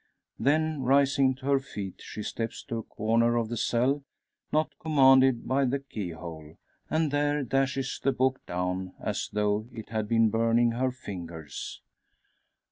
Then rising to her feet, she steps to a corner of the cell, not commanded by the keyhole; and there dashes the hook down, as though it had been burning her fingers!